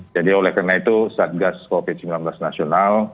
jadi oleh karena itu saat gas covid sembilan belas nasional